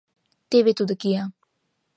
Теве тудо кия.